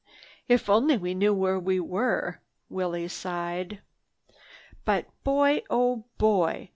"If only we knew where we were!" Willie sighed. "But boy! Oh boy!